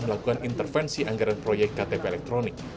melakukan intervensi anggaran proyek ktp elektronik